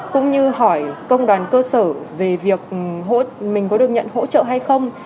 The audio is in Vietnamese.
cũng như hỏi công đoàn cơ sở về việc mình có được nhận hỗ trợ hay không